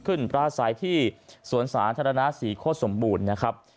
ขึ้นปราศัยที่สวนสารธรรณาศรีโคตรสมบูรณ์นะครับ